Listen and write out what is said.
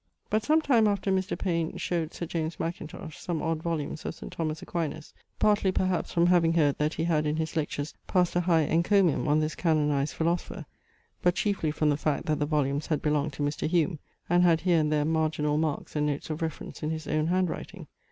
But some time after Mr. Payne showed Sir James Mackintosh some odd volumes of St. Thomas Aquinas, partly perhaps from having heard that he had in his Lectures passed a high encomium on this canonized philosopher; but chiefly from the fact, that the volumes had belonged to Mr. Hume, and had here and there marginal marks and notes of reference in his own hand writing.